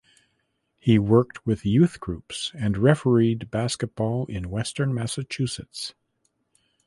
He worked with youth groups and refereed basketball in western Massachusetts.